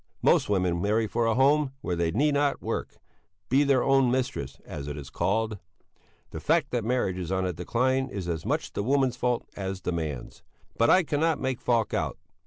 Most women marry for a home where they need not work be their own mistress, as it is called. The fact that marriage is on the decline is as much the woman's fault as the man's. But I cannot make Falk out.